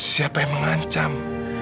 siapa yang mengancam